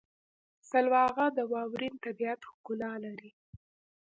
سلواغه د واورین طبیعت ښکلا لري.